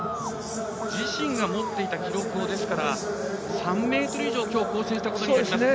自身が持っていた記録を３ｍ以上今日、更新したことになります。